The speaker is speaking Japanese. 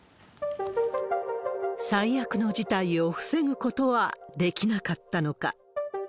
最悪の事態を防ぐことはできなかったのか。